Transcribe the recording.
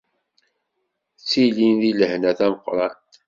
Ttilin di lehna tameqqrant.